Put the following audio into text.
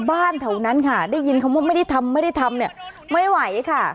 แถวนั้นค่ะได้ยินคำว่าไม่ได้ทำไม่ได้ทำเนี่ยไม่ไหวค่ะ